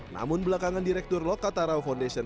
namun belakangan direktur lokatara foundation